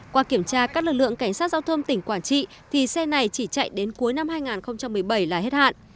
qua kiểm tra các lực lượng cảnh sát giao thông tỉnh quảng trị thì xe này chỉ chạy đến cuối năm hai nghìn một mươi bảy là hết hạn